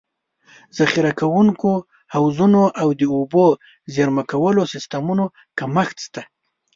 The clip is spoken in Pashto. ذخیره کوونکو حوضونو او د اوبو د زېرمه کولو سیستمونو کمښت شته.